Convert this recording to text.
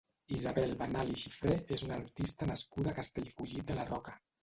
Isabel Banal i Xifré és una artista nascuda a Castellfollit de la Roca.